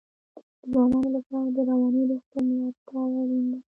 د ځوانانو لپاره د رواني روغتیا ملاتړ اړین دی.